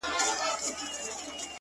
ما چي د ميني په شال ووهي ويده سمه زه،